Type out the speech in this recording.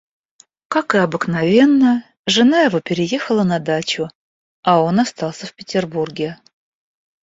Как и обыкновенно, жена его переехала на дачу, а он остался в Петербурге.